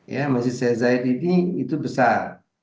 ya masjid zaid ini itu besar